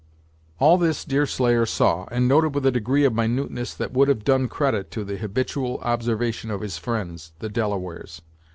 All this Deerslayer saw, and noted with a degree of minuteness that would have done credit to the habitual observation of his friends, the Delawares.